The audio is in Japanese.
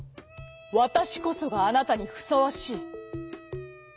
「わたしこそがあなたにふさわしい」。